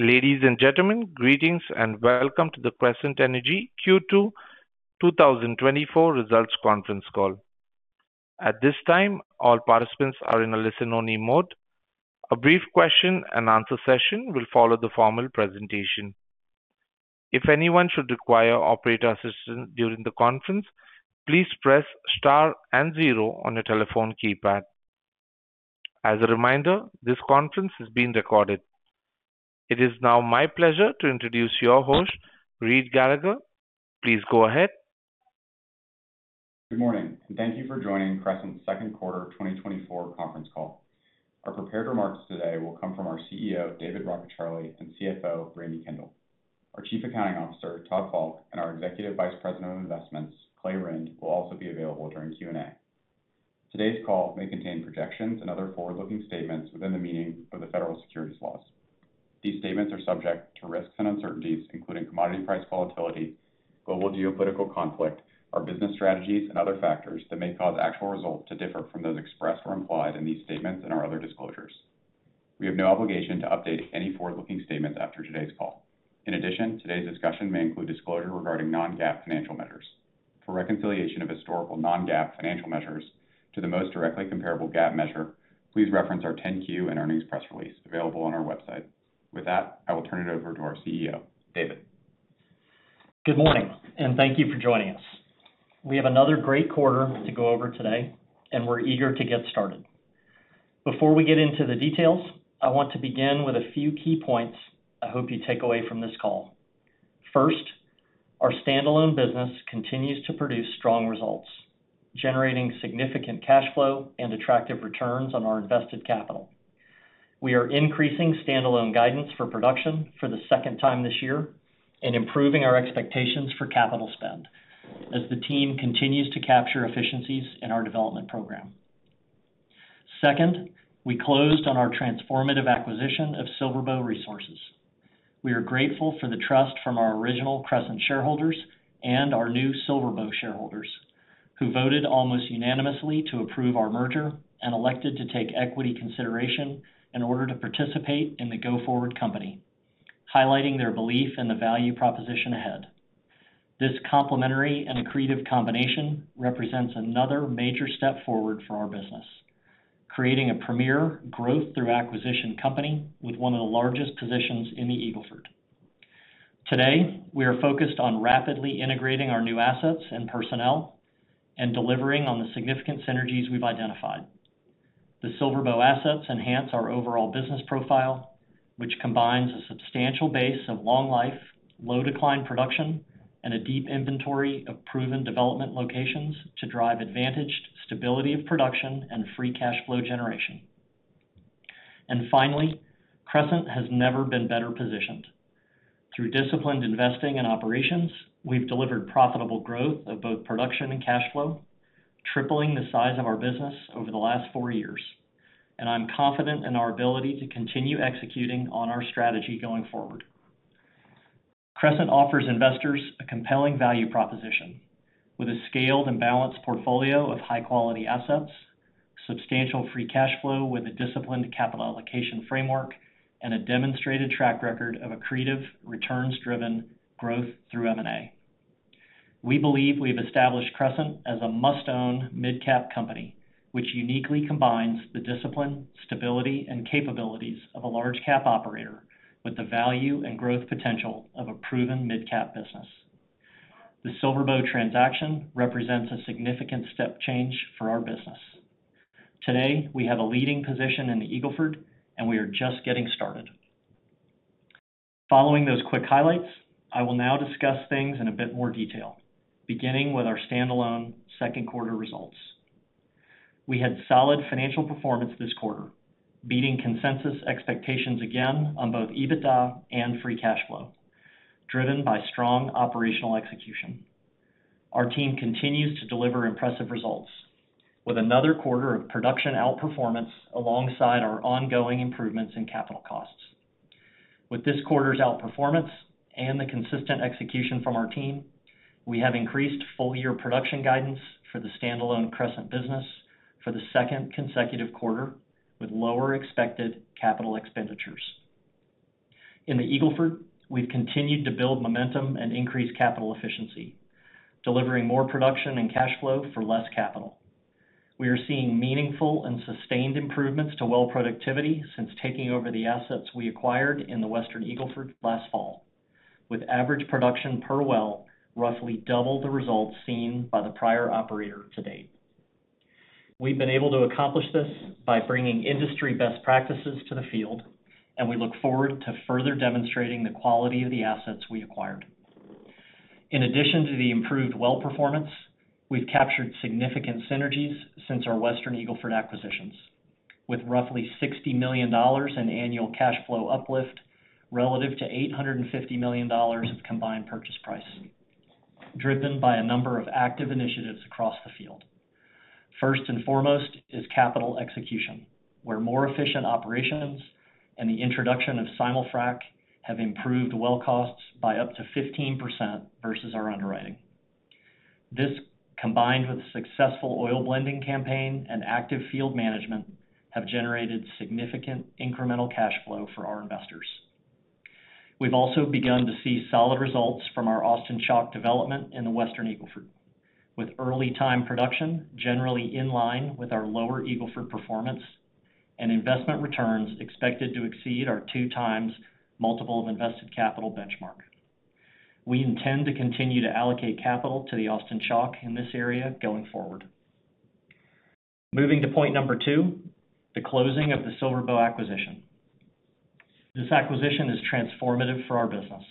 Ladies and gentlemen, greetings and welcome to the Crescent Energy Q2 2024 Results Conference Call. At this time, all participants are in a listen-only mode. A brief question and answer session will follow the formal presentation. If anyone should require operator assistance during the conference, please press star and zero on your telephone keypad. As a reminder, this conference is being recorded. It is now my pleasure to introduce your host, Reed Gallagher. Please go ahead. Good morning, and thank you for joining Crescent's second quarter 2024 conference call. Our prepared remarks today will come from our CEO, David Rockecharlie, and CFO, Brandi Kendall. Our Chief Accounting Officer, Todd Falk, and our Executive Vice President of Investments, Clay Rynd, will also be available during Q&A. Today's call may contain projections and other forward-looking statements within the meaning of the federal securities laws. These statements are subject to risks and uncertainties, including commodity price volatility, global geopolitical conflict, our business strategies, and other factors that may cause actual results to differ from those expressed or implied in these statements and our other disclosures. We have no obligation to update any forward-looking statements after today's call. In addition, today's discussion may include disclosure regarding non-GAAP financial measures. For reconciliation of historical non-GAAP financial measures to the most directly comparable GAAP measure, please reference our 10-Q in our press release, available on our website. With that, I will turn it over to our CEO, David. Good morning, and thank you for joining us. We have another great quarter to go over today, and we're eager to get started. Before we get into the details, I want to begin with a few key points I hope you take away from this call. First, our standalone business continues to produce strong results, generating significant cash flow and attractive returns on our invested capital. We are increasing standalone guidance for production for the second time this year and improving our expectations for capital spend as the team continues to capture efficiencies in our development program. Second, we closed on our transformative acquisition of SilverBow Resources. We are grateful for the trust from our original Crescent shareholders and our new SilverBow shareholders, who voted almost unanimously to approve our merger and elected to take equity consideration in order to participate in the go-forward company, highlighting their belief in the value proposition ahead. This complementary and accretive combination represents another major step forward for our business, creating a premier growth through acquisition company with one of the largest positions in the Eagle Ford. Today, we are focused on rapidly integrating our new assets and personnel and delivering on the significant synergies we've identified. The SilverBow assets enhance our overall business profile, which combines a substantial base of long life, low decline production, and a deep inventory of proven development locations to drive advantaged stability of production and free cash flow generation. And finally, Crescent has never been better positioned. Through disciplined investing and operations, we've delivered profitable growth of both production and cash flow, tripling the size of our business over the last four years, and I'm confident in our ability to continue executing on our strategy going forward. Crescent offers investors a compelling value proposition with a scaled and balanced portfolio of high-quality assets, substantial free cash flow with a disciplined capital allocation framework, and a demonstrated track record of accretive, returns-driven growth through M&A. We believe we've established Crescent as a must-own midcap company, which uniquely combines the discipline, stability, and capabilities of a large cap operator with the value and growth potential of a proven midcap business. The SilverBow transaction represents a significant step change for our business. Today, we have a leading position in the Eagle Ford, and we are just getting started. Following those quick highlights, I will now discuss things in a bit more detail, beginning with our standalone second quarter results. We had solid financial performance this quarter, beating consensus expectations again on both EBITDA and free cash flow, driven by strong operational execution. Our team continues to deliver impressive results with another quarter of production outperformance alongside our ongoing improvements in capital costs. With this quarter's outperformance and the consistent execution from our team, we have increased full-year production guidance for the standalone Crescent business for the second consecutive quarter, with lower expected capital expenditures. In the Eagle Ford, we've continued to build momentum and increase capital efficiency, delivering more production and cash flow for less capital. We are seeing meaningful and sustained improvements to well productivity since taking over the assets we acquired in the Western Eagle Ford last fall, with average production per well, roughly double the results seen by the prior operator to date. We've been able to accomplish this by bringing industry best practices to the field, and we look forward to further demonstrating the quality of the assets we acquired. In addition to the improved well performance, we've captured significant synergies since our Western Eagle Ford acquisitions, with roughly $60 million in annual cash flow uplift relative to $850 million of combined purchase price, driven by a number of active initiatives across the field. First and foremost is capital execution, where more efficient operations and the introduction of simul-frac have improved well costs by up to 15% versus our underwriting. This, combined with a successful oil blending campaign and active field management, have generated significant incremental cash flow for our investors. We've also begun to see solid results from our Austin Chalk development in the Western Eagle Ford, with early time production generally in line with our Lower Eagle Ford performance and investment returns expected to exceed our 2x multiple of invested capital benchmark. We intend to continue to allocate capital to the Austin Chalk in this area going forward. Moving to point number two, the closing of the SilverBow acquisition. This acquisition is transformative for our business.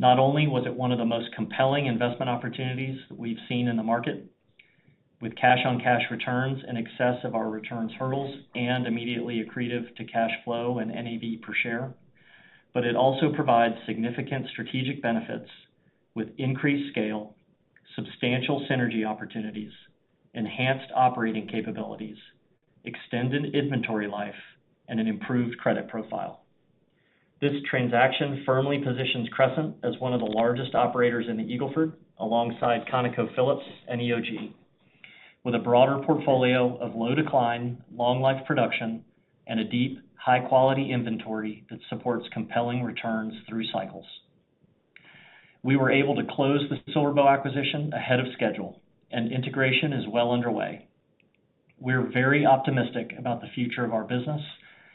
Not only was it one of the most compelling investment opportunities that we've seen in the market, with cash-on-cash returns in excess of our returns hurdles and immediately accretive to cash flow and NAV per share, but it also provides significant strategic benefits with increased scale, substantial synergy opportunities, enhanced operating capabilities, extended inventory life, and an improved credit profile. This transaction firmly positions Crescent as one of the largest operators in the Eagle Ford, alongside ConocoPhillips and EOG, with a broader portfolio of low decline, long-life production, and a deep, high-quality inventory that supports compelling returns through cycles. We were able to close the SilverBow acquisition ahead of schedule, and integration is well underway. We're very optimistic about the future of our business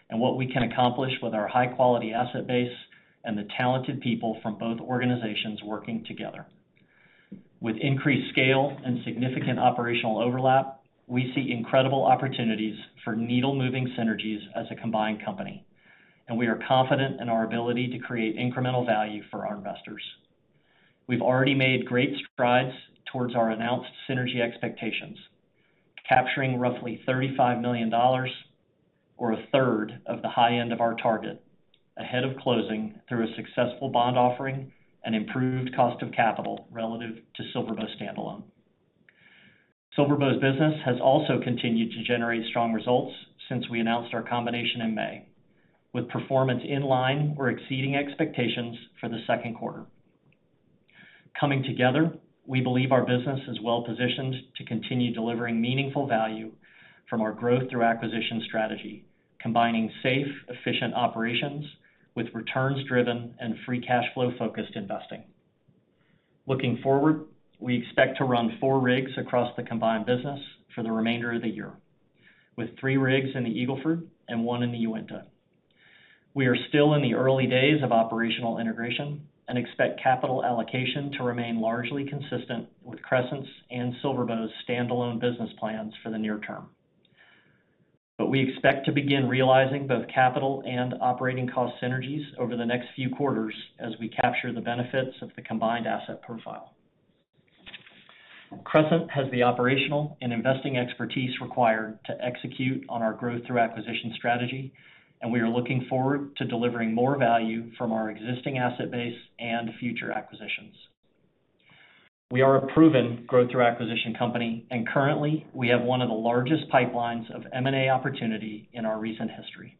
and what we can accomplish with our high-quality asset base and the talented people from both organizations working together. With increased scale and significant operational overlap, we see incredible opportunities for needle-moving synergies as a combined company, and we are confident in our ability to create incremental value for our investors. We've already made great strides towards our announced synergy expectations, capturing roughly $35 million, or a third of the high end of our target, ahead of closing through a successful bond offering and improved cost of capital relative to SilverBow standalone. SilverBow's business has also continued to generate strong results since we announced our combination in May, with performance in line or exceeding expectations for the second quarter. Coming together, we believe our business is well-positioned to continue delivering meaningful value from our growth through acquisition strategy, combining safe, efficient operations with returns-driven and free cash flow-focused investing. Looking forward, we expect to run four rigs across the combined business for the remainder of the year, with three rigs in the Eagle Ford and one in the Uinta. We are still in the early days of operational integration and expect capital allocation to remain largely consistent with Crescent's and SilverBow's standalone business plans for the near term. But we expect to begin realizing both capital and operating cost synergies over the next few quarters as we capture the benefits of the combined asset profile. Crescent has the operational and investing expertise required to execute on our growth through acquisition strategy, and we are looking forward to delivering more value from our existing asset base and future acquisitions. We are a proven growth through acquisition company, and currently, we have one of the largest pipelines of M&A opportunity in our recent history.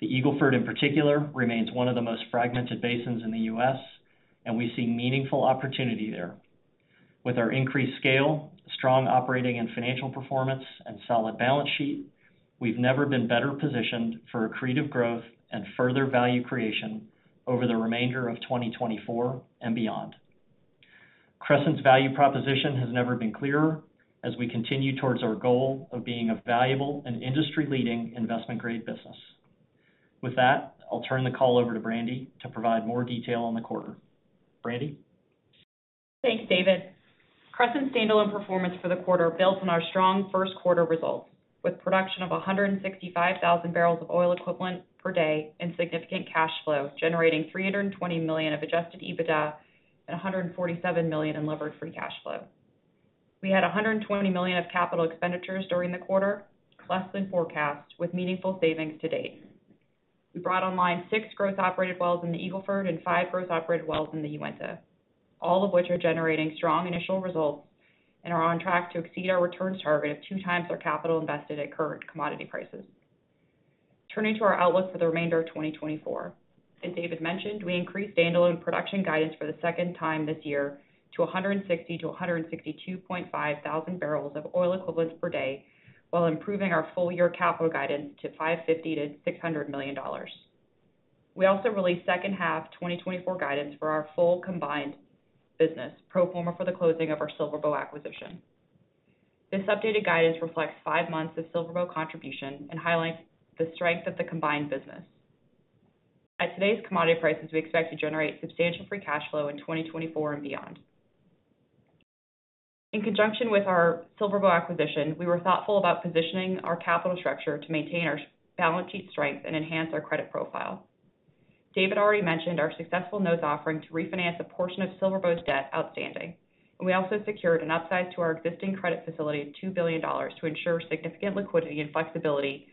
The Eagle Ford, in particular, remains one of the most fragmented basins in the U.S., and we see meaningful opportunity there. With our increased scale, strong operating and financial performance, and solid balance sheet, we've never been better positioned for accretive growth and further value creation over the remainder of 2024 and beyond. Crescent's value proposition has never been clearer as we continue towards our goal of being a valuable and industry-leading investment-grade business. With that, I'll turn the call over to Brandi to provide more detail on the quarter. Brandi? Thanks, David. Crescent's standalone performance for the quarter built on our strong first quarter results, with production of 165,000 barrels of oil equivalent per day and significant cash flow, generating $320 million of Adjusted EBITDA and $147 million in Levered Free Cash Flow. We had $120 million of capital expenditures during the quarter, less than forecast, with meaningful savings to date. We brought online six gross operated wells in the Eagle Ford and five gross operated wells in the Uinta, all of which are generating strong initial results and are on track to exceed our returns target of 2x our capital invested at current commodity prices. Turning to our outlook for the remainder of 2024. As David mentioned, we increased standalone production guidance for the second time this year to 160-162.5 thousand barrels of oil equivalents per day, while improving our full-year capital guidance to $550-$600 million. We also released second half 2024 guidance for our full combined business, pro forma for the closing of our SilverBow acquisition. This updated guidance reflects five months of SilverBow contribution and highlights the strength of the combined business. At today's commodity prices, we expect to generate substantial free cash flow in 2024 and beyond. In conjunction with our SilverBow acquisition, we were thoughtful about positioning our capital structure to maintain our balance sheet strength and enhance our credit profile. David already mentioned our successful notes offering to refinance a portion of SilverBow's debt outstanding, and we also secured an upside to our existing credit facility of $2 billion to ensure significant liquidity and flexibility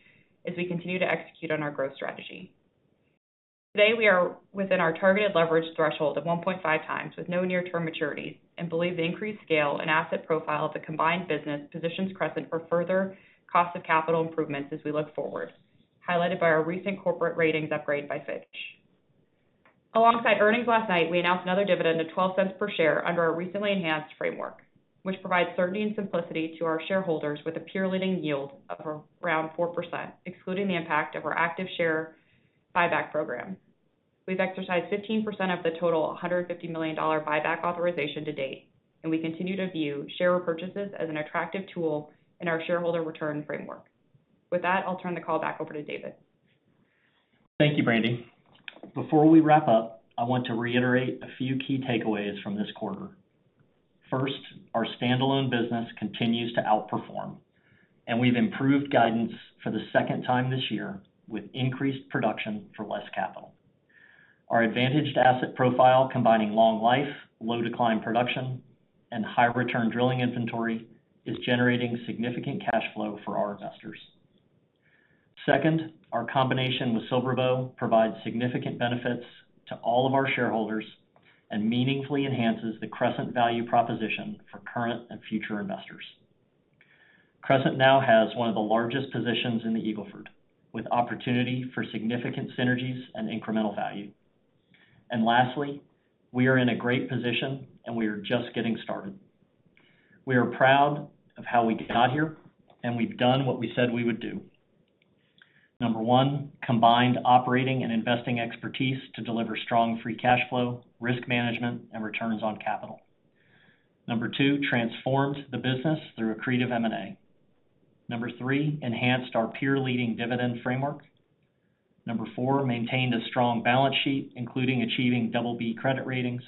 as we continue to execute on our growth strategy. Today, we are within our targeted leverage threshold of 1.5x, with no near-term maturities, and believe the increased scale and asset profile of the combined business positions Crescent for further cost of capital improvements as we look forward, highlighted by our recent corporate ratings upgrade by Fitch. Alongside earnings last night, we announced another dividend of $0.12 per share under our recently enhanced framework, which provides certainty and simplicity to our shareholders with a peer-leading yield of around 4%, excluding the impact of our active share buyback program. We've exercised 15% of the total $150 million buyback authorization to date, and we continue to view share repurchases as an attractive tool in our shareholder return framework. With that, I'll turn the call back over to David. Thank you, Brandi. Before we wrap up, I want to reiterate a few key takeaways from this quarter. First, our standalone business continues to outperform, and we've improved guidance for the second time this year with increased production for less capital. Our advantaged asset profile, combining long life, low decline production, and high return drilling inventory, is generating significant cash flow for our investors. Second, our combination with SilverBow provides significant benefits to all of our shareholders and meaningfully enhances the Crescent value proposition for current and future investors. Crescent now has one of the largest positions in the Eagle Ford, with opportunity for significant synergies and incremental value. And lastly, we are in a great position, and we are just getting started. We are proud of how we got here, and we've done what we said we would do. Number one, combined operating and investing expertise to deliver strong free cash flow, risk management, and returns on capital. Number two, transformed the business through accretive M&A. Number three, enhanced our peer-leading dividend framework. Number four, maintained a strong balance sheet, including achieving double B credit ratings.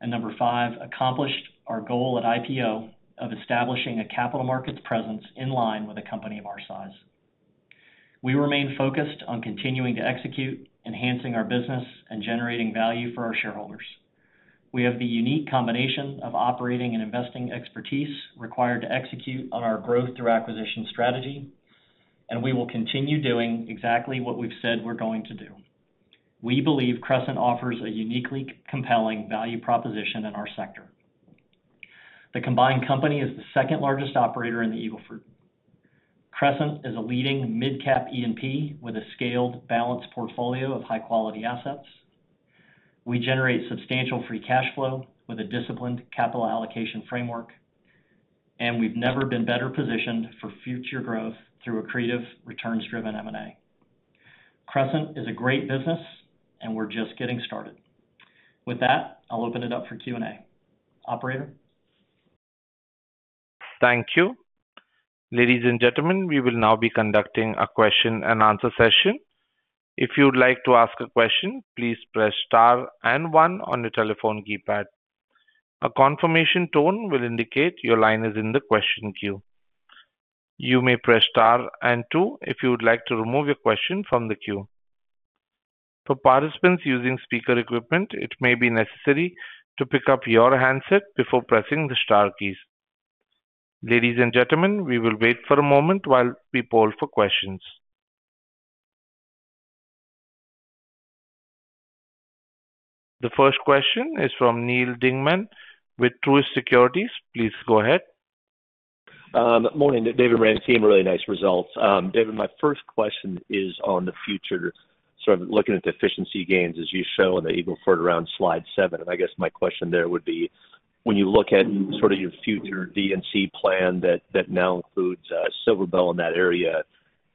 And number five, accomplished our goal at IPO of establishing a capital markets presence in line with a company of our size. We remain focused on continuing to execute, enhancing our business, and generating value for our shareholders. We have the unique combination of operating and investing expertise required to execute on our growth through acquisition strategy, and we will continue doing exactly what we've said we're going to do. We believe Crescent offers a uniquely compelling value proposition in our sector. The combined company is the second-largest operator in the Eagle Ford. Crescent is a leading midcap E&P with a scaled, balanced portfolio of high-quality assets. We generate substantial free cash flow with a disciplined capital allocation framework, and we've never been better positioned for future growth through accretive, returns-driven M&A. Crescent is a great business, and we're just getting started. With that, I'll open it up for Q and A. Operator? Thank you. Ladies and gentlemen, we will now be conducting a question-and-answer session. If you would like to ask a question, please press star and one on your telephone keypad. A confirmation tone will indicate your line is in the question queue. You may press star and two if you would like to remove your question from the queue. For participants using speaker equipment, it may be necessary to pick up your handset before pressing the star keys. Ladies and gentlemen, we will wait for a moment while we poll for questions. The first question is from Neal Dingmann with Truist Securities. Please go ahead. Morning, David and Brandi team, really nice results. David, my first question is on the future, sort of looking at the efficiency gains as you show in the Eagle Ford around slide seven. And I guess my question there would be, when you look at sort of your future D&C plan that, that now includes SilverBow in that area,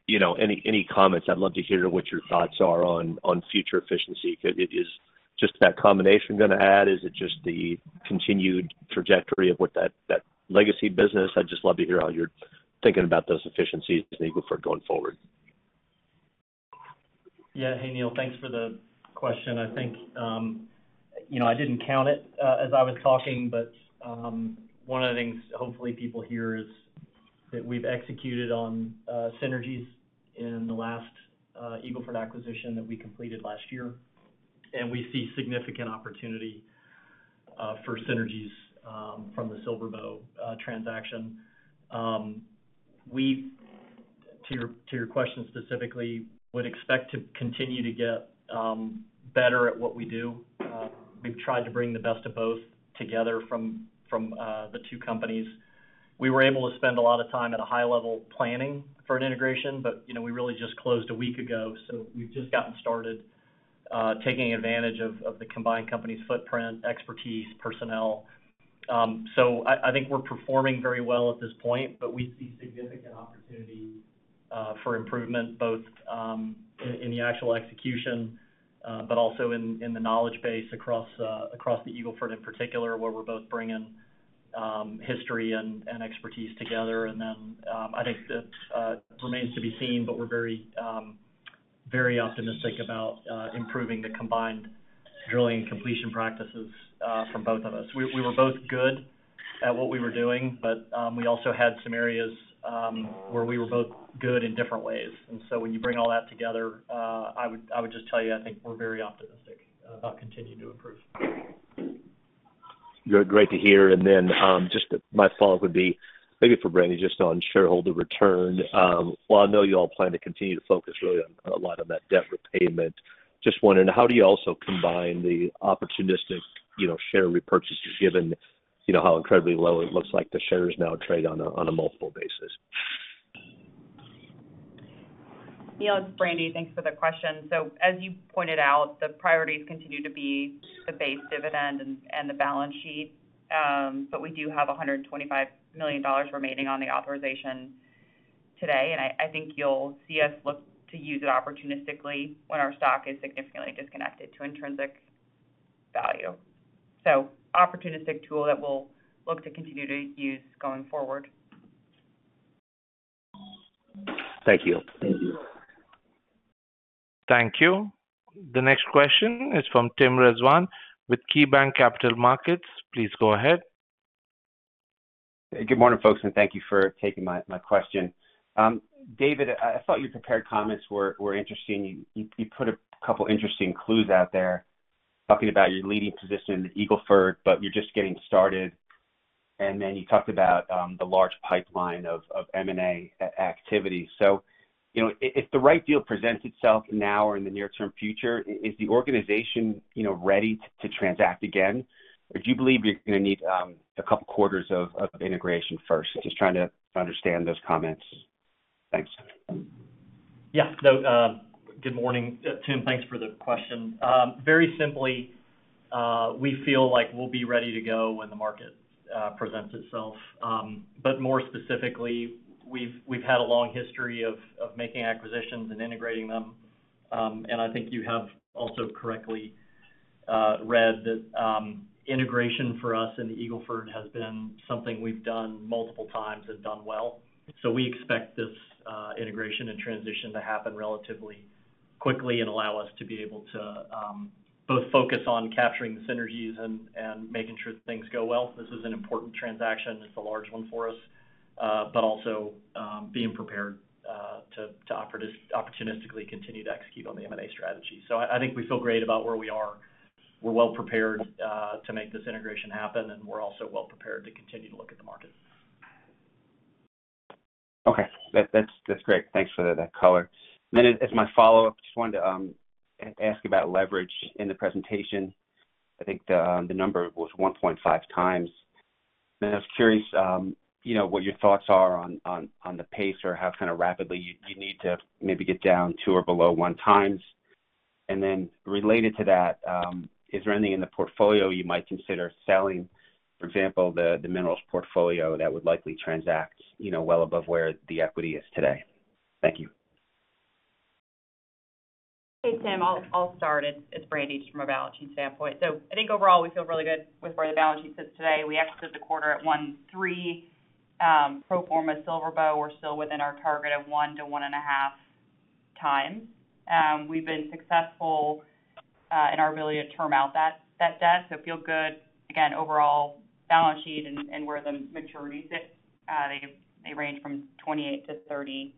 you know, any, any comments? I'd love to hear what your thoughts are on, on future efficiency. Because is just that combination gonna add, is it just the continued trajectory of what that, that legacy business? I'd just love to hear how you're thinking about those efficiencies in Eagle Ford going forward. Yeah. Hey, Neal, thanks for the question. I think, you know, I didn't count it as I was talking, but one of the things, hopefully, people hear is that we've executed on synergies in the last Eagle Ford acquisition that we completed last year, and we see significant opportunity for synergies from the SilverBow transaction. To your question specifically, would expect to continue to get better at what we do. We've tried to bring the best of both together from the two companies. We were able to spend a lot of time at a high level planning for an integration, but, you know, we really just closed a week ago, so we've just gotten started taking advantage of the combined company's footprint, expertise, personnel. So I think we're performing very well at this point, but we see significant opportunity for improvement, both in the actual execution but also in the knowledge base across the Eagle Ford in particular, where we're both bringing history and expertise together. And then I think that remains to be seen, but we're very optimistic about improving the combined drilling and completion practices from both of us. We were both good at what we were doing, but we also had some areas where we were both good in different ways. And so when you bring all that together, I would just tell you, I think we're very optimistic about continuing to improve. Good. Great to hear. And then, just my follow-up would be, maybe for Brandi, just on shareholder return. While I know you all plan to continue to focus really on a lot of that debt repayment, just wondering, how do you also combine the opportunistic, you know, share repurchases, given, you know, how incredibly low it looks like the shares now trade on a, on a multiple basis?... Neal, it's Brandi. Thanks for the question. So as you pointed out, the priorities continue to be the base dividend and, and the balance sheet. But we do have $125 million remaining on the authorization today, and I, I think you'll see us look to use it opportunistically when our stock is significantly disconnected to intrinsic value. So opportunistic tool that we'll look to continue to use going forward. Thank you. Thank you. The next question is from Tim Rezvan with KeyBanc Capital Markets. Please go ahead. Good morning, folks, and thank you for taking my question. David, I thought your prepared comments were interesting. You put a couple interesting clues out there talking about your leading position in the Eagle Ford, but you're just getting started. And then you talked about the large pipeline of M&A activity. So, you know, if the right deal presents itself now or in the near-term future, is the organization, you know, ready to transact again? Or do you believe you're gonna need a couple quarters of integration first? Just trying to understand those comments. Thanks. Yeah. No, good morning, Tim, thanks for the question. Very simply, we feel like we'll be ready to go when the market presents itself. But more specifically, we've had a long history of making acquisitions and integrating them. And I think you have also correctly read that integration for us in the Eagle Ford has been something we've done multiple times and done well. So we expect this integration and transition to happen relatively quickly and allow us to be able to both focus on capturing the synergies and making sure things go well. This is an important transaction. It's a large one for us, but also being prepared to opportunistically continue to execute on the M&A strategy. So I think we feel great about where we are. We're well prepared to make this integration happen, and we're also well prepared to continue to look at the market. Okay. That's great. Thanks for that color. Then, as my follow-up, just wanted to ask about leverage in the presentation. I think the number was 1.5x. And I was curious, you know, what your thoughts are on the pace or how kind of rapidly you need to maybe get down to or below 1x. And then, related to that, is there anything in the portfolio you might consider selling? For example, the minerals portfolio that would likely transact, you know, well above where the equity is today. Thank you. Hey, Tim, I'll start. It's Brandi, just from a balance sheet standpoint. So I think overall, we feel really good with where the balance sheet sits today. We exited the quarter at 1.3x, pro forma SilverBow. We're still within our target of 1x-1.5x. We've been successful in our ability to term out that debt, so feel good, again, overall balance sheet and where the maturities sit. They range from 2028-2033.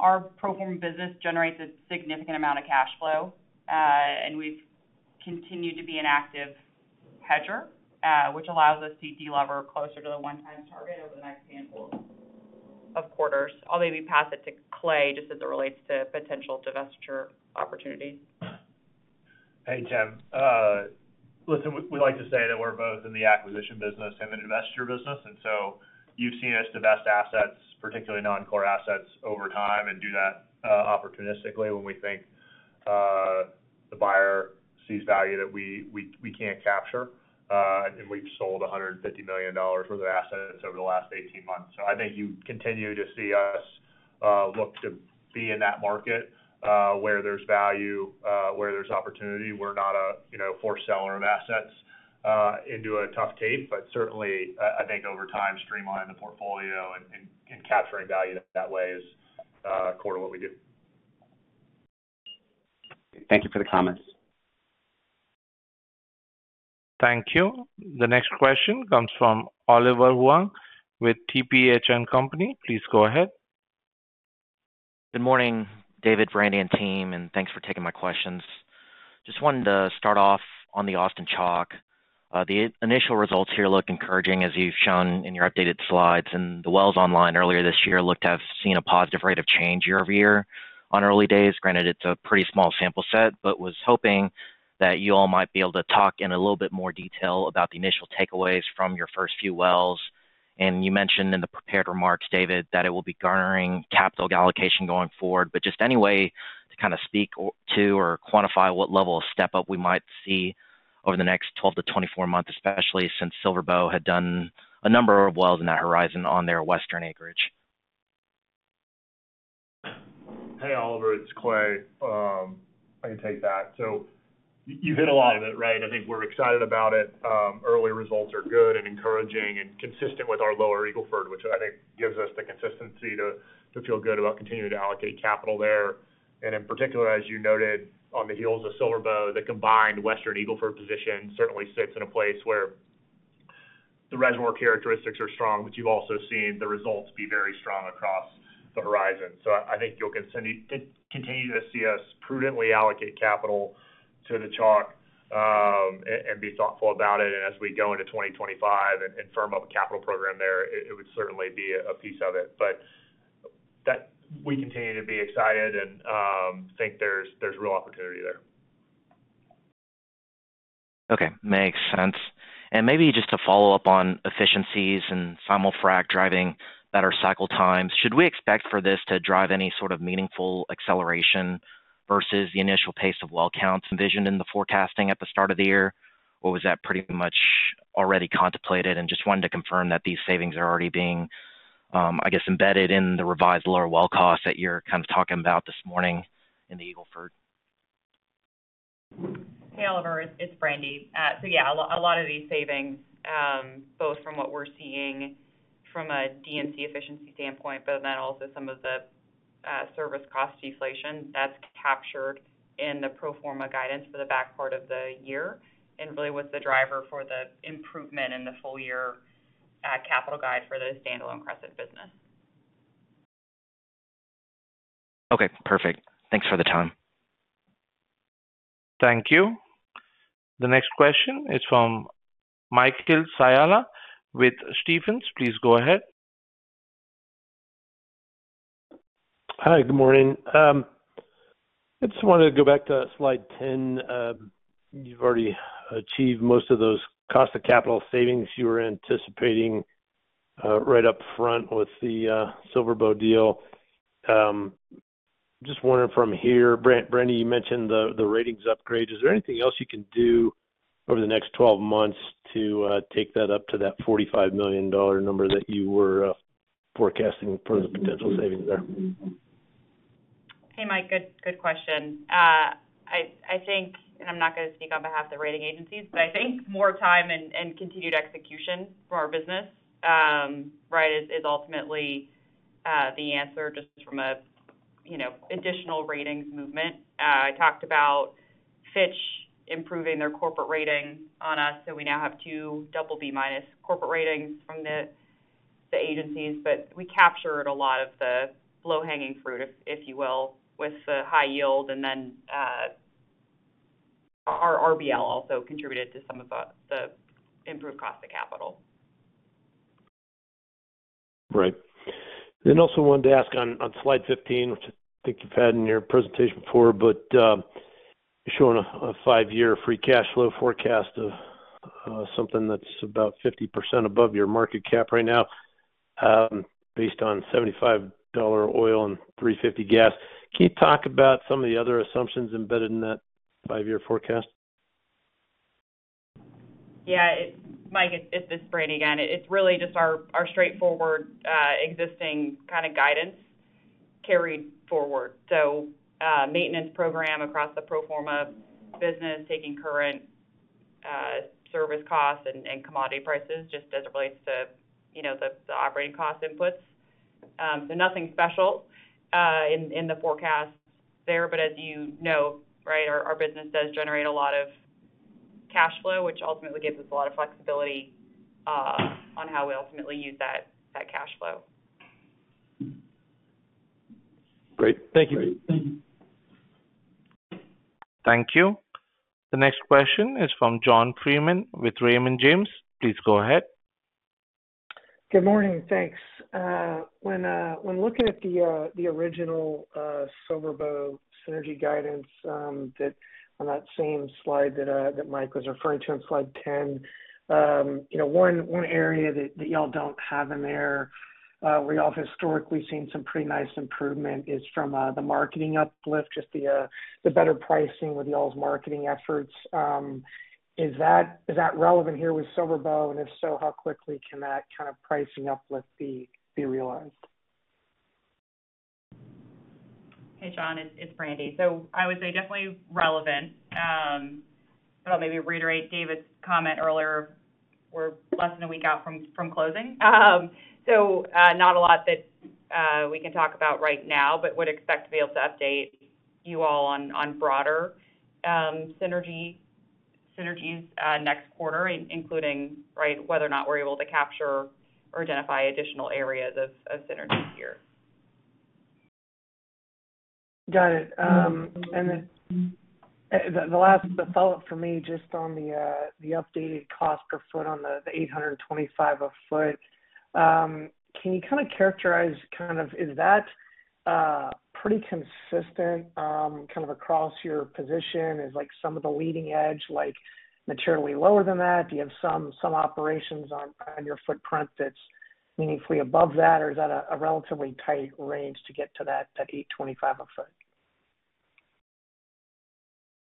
Our pro forma business generates a significant amount of cash flow, and we've continued to be an active hedger, which allows us to deliver closer to the 1x target over the next handful of quarters. I'll maybe pass it to Clay, just as it relates to potential divestiture opportunities. Hey, Tim. Listen, we like to say that we're both in the acquisition business and the divestiture business, and so you've seen us divest assets, particularly non-core assets, over time and do that opportunistically when we think the buyer sees value that we can't capture. And we've sold $150 million worth of assets over the last 18 months. So I think you continue to see us look to be in that market where there's value, where there's opportunity. We're not a, you know, forced seller of assets into a tough tape, but certainly I think over time, streamlining the portfolio and capturing value that way is core to what we do. Thank you for the comments. Thank you. The next question comes from Oliver Huang with TPH&Co. Please go ahead. Good morning, David, Brandi, and team, and thanks for taking my questions. Just wanted to start off on the Austin Chalk. The initial results here look encouraging, as you've shown in your updated slides, and the wells online earlier this year looked to have seen a positive rate of change year-over-year on early days. Granted, it's a pretty small sample set, but was hoping that you all might be able to talk in a little bit more detail about the initial takeaways from your first few wells. And you mentioned in the prepared remarks, David, that it will be garnering capital allocation going forward. Just any way to kind of speak to or quantify what level of step up we might see over the next 12-24 months, especially since SilverBow had done a number of wells in that horizon on their western acreage? Hey, Oliver, it's Clay. I can take that. So you hit a lot of it, right? I think we're excited about it. Early results are good and encouraging and consistent with our Lower Eagle Ford, which I think gives us the consistency to feel good about continuing to allocate capital there. And in particular, as you noted, on the heels of SilverBow, the combined Western Eagle Ford position certainly sits in a place where the reservoir characteristics are strong, but you've also seen the results be very strong across the horizon. So I think you'll continue to see us prudently allocate capital to the Chalk, and be thoughtful about it. And as we go into 2025 and firm up a capital program there, it would certainly be a piece of it. But we continue to be excited and think there's real opportunity there.... Okay, makes sense. And maybe just to follow up on efficiencies and simul-frac driving better cycle times, should we expect for this to drive any sort of meaningful acceleration versus the initial pace of well counts envisioned in the forecasting at the start of the year? Or was that pretty much already contemplated and just wanted to confirm that these savings are already being, I guess, embedded in the revised lower well costs that you're kind of talking about this morning in the Eagle Ford? Hey, Oliver, it's Brandi. So, yeah, a lot of these savings, both from what we're seeing from a D&C efficiency standpoint, but then also some of the service cost deflation, that's captured in the pro forma guidance for the back part of the year, and really was the driver for the improvement in the full year capital guide for the standalone Crescent business. Okay, perfect. Thanks for the time. Thank you. The next question is from Michael Scialla with Stephens. Please go ahead. Hi, good morning. I just wanted to go back to slide 10. You've already achieved most of those cost of capital savings you were anticipating, right up front with the, SilverBow deal. Just wondering from here, Brent-- Brandi, you mentioned the, the ratings upgrade. Is there anything else you can do over the next 12 months to, take that up to that $45 million number that you were, forecasting for the potential savings there? Hey, Mike, good, good question. I think, and I'm not going to speak on behalf of the rating agencies, but I think more time and continued execution for our business, right, is ultimately the answer just from a, you know, additional ratings movement. I talked about Fitch improving their corporate rating on us, so we now have two double B-minus corporate ratings from the agencies. But we captured a lot of the low-hanging fruit, if you will, with the high yield, and then, our RBL also contributed to some of the improved cost of capital. Right. Then also wanted to ask on slide 15, which I think you've had in your presentation before, but showing a five-year free cash flow forecast of something that's about 50% above your market cap right now, based on $75 oil and $3.50 gas. Can you talk about some of the other assumptions embedded in that five-year forecast? Yeah, Mike, it's Brandi again. It's really just our straightforward, existing kind of guidance carried forward. So, maintenance program across the pro forma business, taking current service costs and commodity prices, just as it relates to, you know, the operating cost inputs. So nothing special in the forecast there, but as you know, right, our business does generate a lot of cash flow, which ultimately gives us a lot of flexibility on how we ultimately use that cash flow. Great. Thank you. Thank you. The next question is from John Freeman with Raymond James. Please go ahead. Good morning. Thanks. When looking at the original SilverBow synergy guidance, that on that same slide that Mike was referring to on slide 10, you know, one area that y'all don't have in there, we all have historically seen some pretty nice improvement is from the marketing uplift, just the better pricing with y'all's marketing efforts. Is that relevant here with SilverBow? And if so, how quickly can that kind of pricing uplift be realized? Hey, John, it's Brandi. So I would say definitely relevant. But I'll maybe reiterate David's comment earlier. We're less than a week out from closing. So, not a lot that we can talk about right now, but would expect to be able to update you all on broader synergy synergies next quarter, including, right, whether or not we're able to capture or identify additional areas of synergies here. Got it. And then, the last follow-up for me, just on the updated cost per foot on the $825 a foot. Can you kind of characterize, kind of, is that pretty consistent, kind of across your position? Is like some of the leading edge, like materially lower than that? Do you have some operations on your footprint that's meaningfully above that, or is that a relatively tight range to get to that $825 a foot?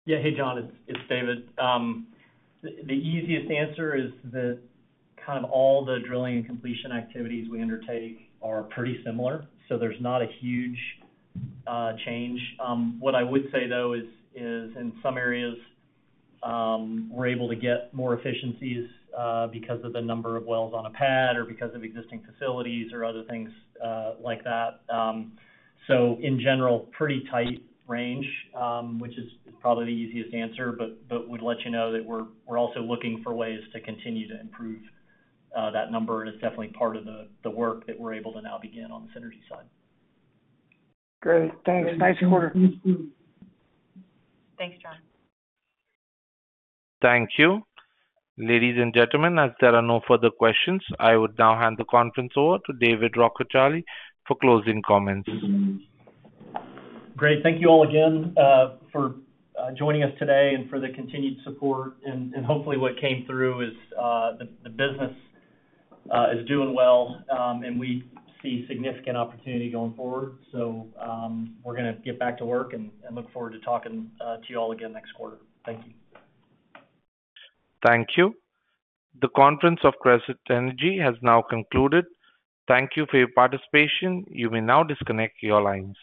Yeah. Hey, John, it's David. The easiest answer is that kind of all the drilling and completion activities we undertake are pretty similar, so there's not a huge change. What I would say, though, is in some areas, we're able to get more efficiencies because of the number of wells on a pad or because of existing facilities or other things like that. So in general, pretty tight range, which is probably the easiest answer, but would let you know that we're also looking for ways to continue to improve that number. And it's definitely part of the work that we're able to now begin on the synergy side. Great. Thanks. Nice quarter. Thanks, John. Thank you. Ladies and gentlemen, as there are no further questions, I would now hand the conference over to David Rockecharlie for closing comments. Great. Thank you all again for joining us today and for the continued support. Hopefully what came through is the business is doing well, and we see significant opportunity going forward. We're gonna get back to work and look forward to talking to you all again next quarter. Thank you. Thank you. The conference of Crescent Energy has now concluded. Thank you for your participation. You may now disconnect your lines.